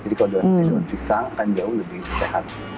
jadi kalau dilapisin daun pisang akan jauh lebih sehat